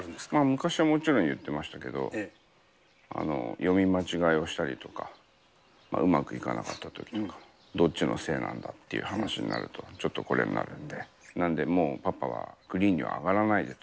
昔はもちろん言ってましたけど、読み間違えをしたりとか、うまくいかなかったときとか、どっちのせいなんだっていう話になると、ちょっとこれになるんで、なのでもう、パパはグリーンには上がらないでと。